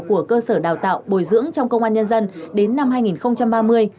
của cơ sở đào tạo bồi dưỡng trong công an nhân dân đến năm hai nghìn ba mươi